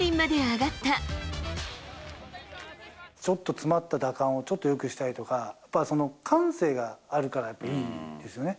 ちょっと詰まった打感を、ちょっとよくしたいとか、感性があるから、やっぱいいんですよね。